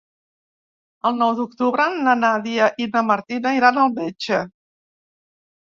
El nou d'octubre na Nàdia i na Martina iran al metge.